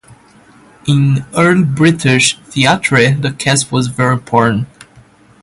In early British theatre the cast was very important.